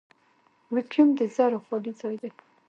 ویکیوم د ذرّو خالي ځای دی.